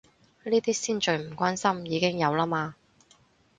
呢啲先最唔關心，已經有啦嘛